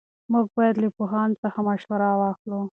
موږ باید له پوهانو څخه مشوره واخلو.